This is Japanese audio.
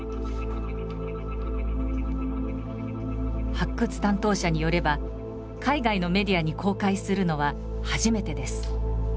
発掘担当者によれば海外のメディアに公開するのは初めてです。